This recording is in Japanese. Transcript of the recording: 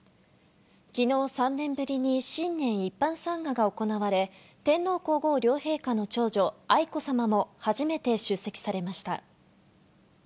昨日、３年ぶりに新年一般参賀が行われ、天皇皇后両陛下の長女・愛子さまも初めて出席されました。